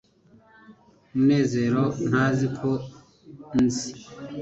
munezero ntazi ko nzi